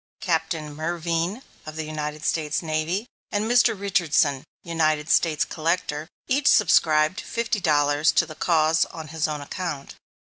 Captain Mervine of the United States Navy, and Mr. Richardson, United States Collector, each subscribed fifty dollars to the cause on his own account.